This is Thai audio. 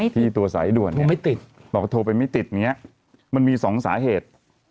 ที่ตัวสายด่วนบอกโทรไปไม่ติดอย่างนี้มันมีสองสาเหตุ